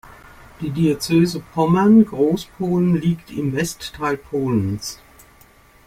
Die Diözese Pommern-Großpolen liegt im Westteil Polens.